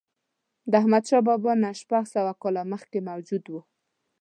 د احمدشاه بابا نه شپږ سوه کاله مخکې موجود و.